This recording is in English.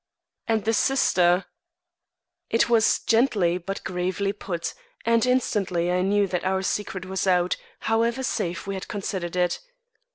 "And the sister?" It was gently but gravely put, and instantly I knew that our secret was out, however safe we had considered it.